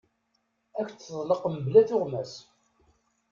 Ad ak-d-teḍleq mebla tuɣmas.